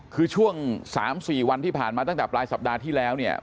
คือช่วง๓๔วันที่ผ่านมาตั้งแต่ปลายสัปดาห์ที่แล้วเนี่ย